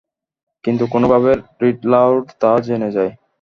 কিন্তু কোনোভাবে রিডলারও তা জেনে যায়।